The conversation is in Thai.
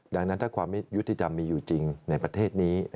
ดังนั้นถ้าความยุติธรรมมีอยู่จริงในประเทศนี้